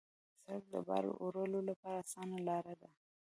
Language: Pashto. سړک د بار وړلو لپاره اسانه لاره ده.